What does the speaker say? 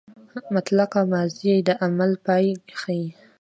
مطلقه ماضي د عمل پای ښيي.